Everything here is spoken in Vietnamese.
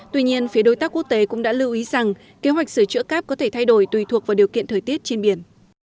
tuy nhiên phía đối tác quốc tế cũng đã lưu ý rằng kế hoạch sửa chữa cáp có thể thay đổi tùy thuộc vào điều kiện thời tiết trên biển